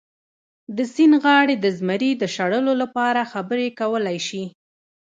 د سیند غاړې د زمري د شړلو لپاره خبرې کولی شي.